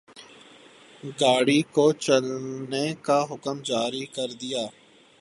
گاڑی کو چلنے کا حکم جاری کر دیا